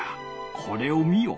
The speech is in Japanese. これを見よ。